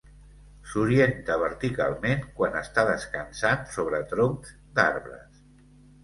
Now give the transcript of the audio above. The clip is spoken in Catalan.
S'orienta verticalment quan està descansant sobre troncs d'arbres.